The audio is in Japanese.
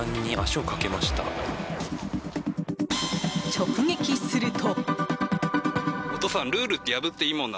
直撃すると。